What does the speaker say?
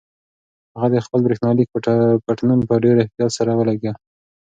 هغه د خپل برېښنالیک پټنوم په ډېر احتیاط سره ولیکه.